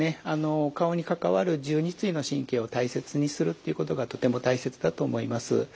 お顔に関わる１２対の神経を大切にするっていうことがとても大切だと思います。